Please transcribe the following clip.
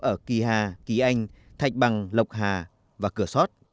ở kỳ hà kỳ anh thạch bằng lộc hà và cửa sót